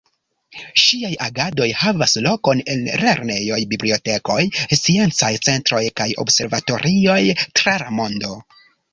Ŝiaj agadoj havas lokon en lernejoj, bibliotekoj, sciencaj centroj kaj observatorioj tra la mondo.